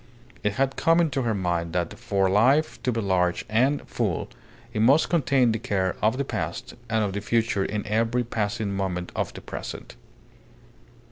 It had come into her mind that for life to be large and full, it must contain the care of the past and of the future in every passing moment of the present.